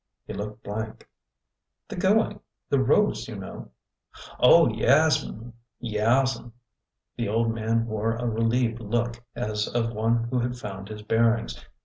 He looked blank. '' The going— the roads, you know." Oh, yaas'm ! yaas'm !" The old man wore a relieved look, as of one who had found his bearings.